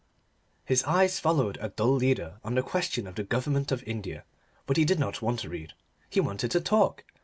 His eyes followed a dull leader on the question of the government of India. But he did not want to read. He wanted to talk.